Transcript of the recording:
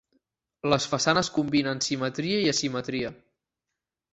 Les façanes combinen simetria i asimetria.